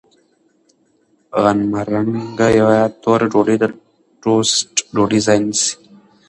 غنمرنګه یا توره ډوډۍ د ټوسټ ډوډۍ ځای نیسي.